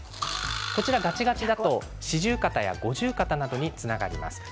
ガチガチだと四十肩や五十肩などにつながります。